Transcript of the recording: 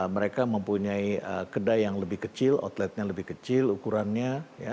mereka mempunyai kedai yang lebih kecil outletnya lebih kecil ukurannya